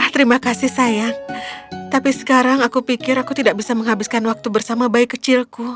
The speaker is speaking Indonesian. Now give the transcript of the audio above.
terima kasih sayang tapi sekarang aku pikir aku tidak bisa menghabiskan waktu bersama bayi kecilku